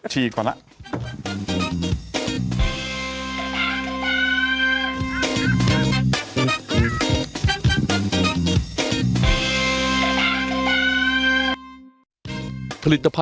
พิเศษค่ะ